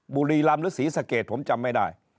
บุรีรำหรือศรีสะเกดผมจำไม่ได้